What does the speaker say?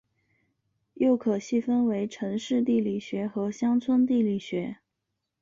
又可细分为城市地理学和乡村地理学。